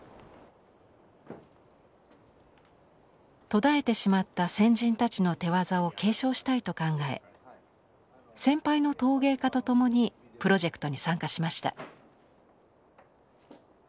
途絶えてしまった先人たちの手業を継承したいと考え先輩の陶芸家と共にプロジェクトに参加しました。